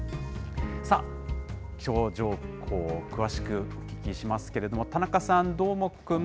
さあ、気象情報、詳しくお聞きしますけれども、田中さん、どーもくん。